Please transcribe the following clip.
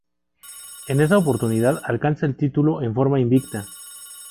En esa oportunidad alcanza el título en forma invicta.